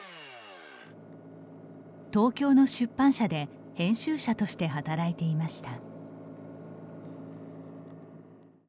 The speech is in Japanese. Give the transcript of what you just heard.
東京の出版社で編集者として働いていました。